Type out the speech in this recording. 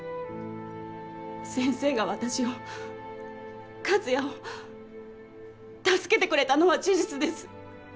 先生が私を克哉を助けてくれたのは事実です。